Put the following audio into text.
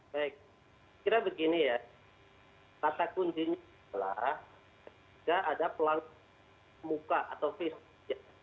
baik kira begini ya kata kuncinya adalah tidak ada pelanggan muka atau visi